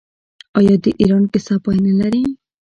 آیا د ایران کیسه پای نلري؟